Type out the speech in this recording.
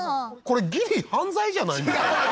これギリ犯罪じゃないんですか？